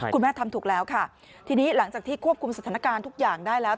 คุณแม่ทำถูกแล้วค่ะทีนี้หลังจากที่ควบคุมสถานการณ์ทุกอย่างได้แล้ว